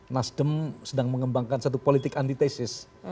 nasdem sedang mengembangkan satu politik antitesis